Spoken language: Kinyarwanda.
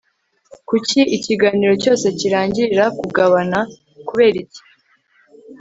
kuki ikiganiro cyose kirangirira kugabana? (kubera iki?